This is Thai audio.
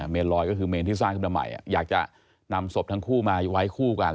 เมนลอยก็คือเมนที่สร้างขึ้นมาใหม่อยากจะนำศพทั้งคู่มาไว้คู่กัน